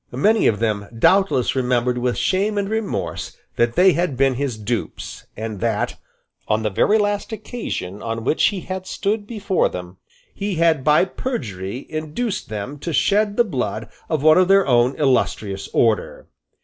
Many of them doubtless remembered with shame and remorse that they had been his dupes, and that, on the very last occasion on which he had stood before them, he had by perjury induced them to shed the blood of one of their own illustrious order.